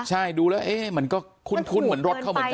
ใช่ดูแล้วมันก็คุ้นเหมือนรถเขาเหมือนกัน